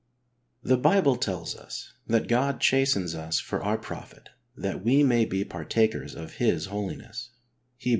The Bible tell us that God "chastens us for our profit that we may be partakers of His holiness" (Hed.